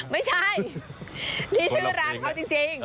ไม่ใช่นี่ชื่อร้านเขาจริง